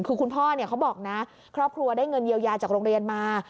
คือคุณพ่อเขาบอกนะครอบครัวได้เงินเยียวยาจากโรงเรียนมา